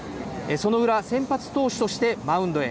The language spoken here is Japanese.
その裏、先発投手としてマウンドへ。